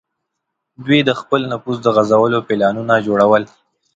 دوی د خپل نفوذ د غځولو پلانونه جوړول.